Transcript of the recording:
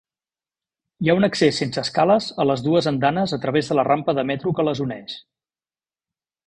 Hi ha un accés sense escales a les dues andanes a través de la rampa de metro que les uneix.